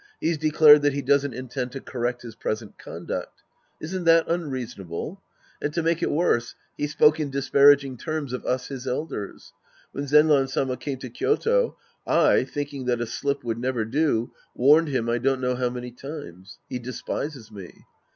He's declared that he doesn't intend to correct his present conduct. Isn't that unreasonable ? And to make it worse, he spoke in disparaging terms of us his elders. When Zenran Sama came to Kyoto, I, thinking that a slip would never do, warned him I don't know how many times. He despises me.